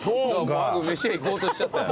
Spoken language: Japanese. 飯屋行こうとしちゃったよ。